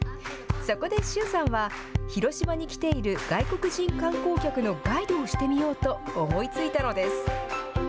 そこで駿さんは広島に来ている外国人観光客のガイドをしてみようと思いついたのです。